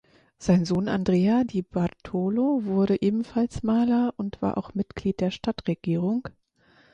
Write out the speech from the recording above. Sein Sohn Andrea di Bartolo wurde ebenfalls Maler und war auch Mitglied der Stadtregierung,